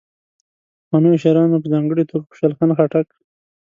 پخوانیو شاعرانو په ځانګړي توګه خوشال خان خټک.